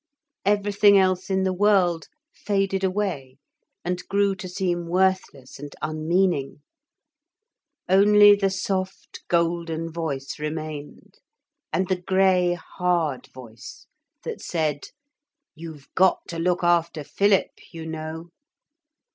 Everything else in the world faded away and grew to seem worthless and unmeaning. Only the soft golden voice remained and the grey hard voice that said, 'You've got to look after Philip, you know!'